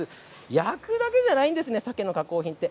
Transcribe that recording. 焼くだけじゃないんですねさけの加工品って。